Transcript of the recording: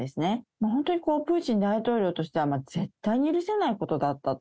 もう本当にプーチン大統領としては、絶対に許せないことだったと。